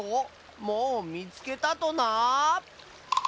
もうみつけたとな？